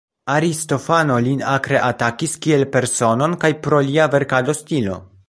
Aristofano lin akre atakis kiel personon kaj pro lia verkado-stilo.